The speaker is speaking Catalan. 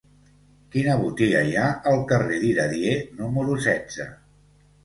Quina botiga hi ha al carrer d'Iradier número setze?